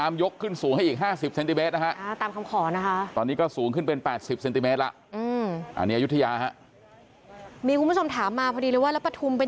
อยากให้ระบายพอมาตั้งนี้ก็ให้เข้าเลยเรื่อย